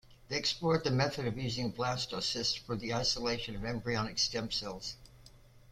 They explored the method of using blastocysts for the isolation of embryonic stem cells.